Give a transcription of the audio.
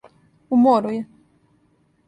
У мору је.